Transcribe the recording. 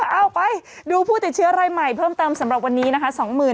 เอาไปดูผู้ติดเชื้อรายใหม่เพิ่มเติมสำหรับวันนี้นะคะ